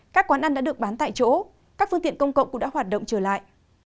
các quán ăn đã được bán tại chỗ các phương tiện công cộng cũng đã hoạt động trở lại